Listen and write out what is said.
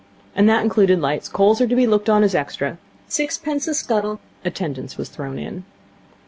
And that included lights. Coals were to be looked on as an extra. 'Sixpence a scuttle.' Attendance was thrown in.